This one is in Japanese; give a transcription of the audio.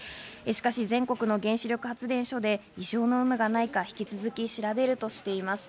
しかし全国の原子力発電所で異常の有無はないか引き続き調べるとしています。